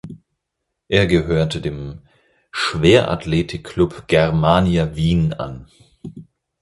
Er gehörte dem Schwerathletik-Klub "Germania Wien" an.